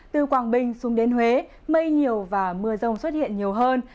từ quảng bình xuống đến huế mây nhiều và mưa rông xuất hiện nhiều hơn